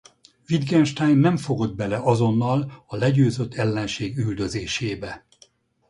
Wittgenstein nem fogott bele azonnal a legyőzött ellenség üldözésébe.